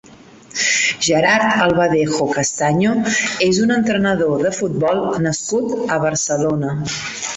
Gerard Albadalejo Castaño és un entrenador de futbol nascut a Barcelona.